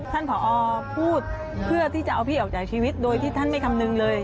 ผอพูดเพื่อที่จะเอาพี่ออกจากชีวิตโดยที่ท่านไม่คำนึงเลย